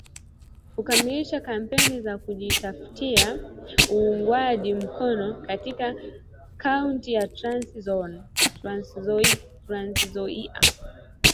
Kukamilisha kampeni za kujitaftia uungwaji mkono katika Kaunti ya Trans Nzoia